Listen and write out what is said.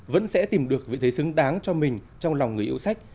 vẫn sẽ tìm được vị thế xứng đáng cho mình trong lòng người yêu sách